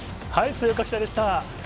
末岡記者でした。